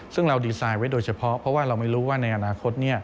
ซึ่งเราดีไซน์ไว้โดยเฉพาะเพราะว่าเราไม่รู้ว่าในอนาคต